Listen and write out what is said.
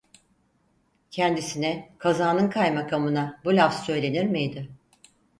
Kendisine, kazanın kaymakamına bu laf söylenir miydi?